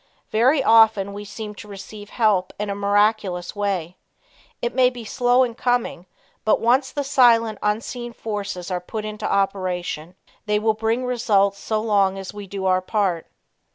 Very often we seem to receive help in a miraculous way. It may be slow in coming, but once the silent unseen forces are put into operation, they will bring results so long as we do our part.